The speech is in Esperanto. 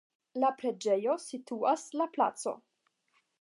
La preĝejo situas la placo.